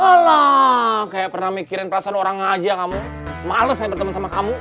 malah kayak pernah mikirin perasaan orangnya aja kamu males saya berteman sama kamu